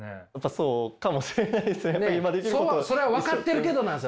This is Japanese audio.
そうかもしれないです。